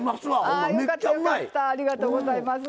ありがとうございます。